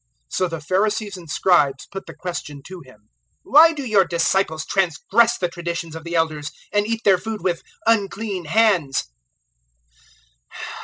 007:005 So the Pharisees and Scribes put the question to Him: "Why do your disciples transgress the traditions of the Elders, and eat their food with unclean hands?"